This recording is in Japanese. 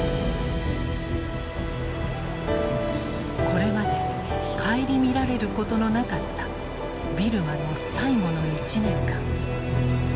これまで顧みられることのなかったビルマの最後の１年間。